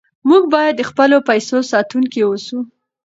موږ باید د خپلو پیسو ساتونکي اوسو.